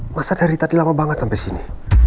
masa dari tadi lama banget sampai sini